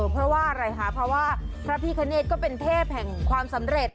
เพราะว่าอะไรคะเพราะว่าพระพิคเนธก็เป็นเทพแห่งความสำเร็จ